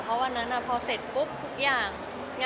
เพราะวันนั้นนะตอนเต็บกลุ่มและพูดหน่อย